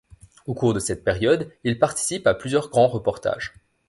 Au cours de cette période, il participe à plusieurs grands reportages.